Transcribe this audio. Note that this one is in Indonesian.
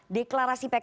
deklarasi pks kemana